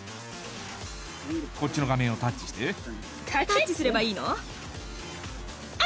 こっちの画面をタッチしてタッチすればいいの？